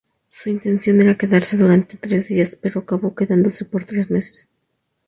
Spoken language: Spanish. Su intención era quedarse durante tres días, pero acabó quedándose por tres meses.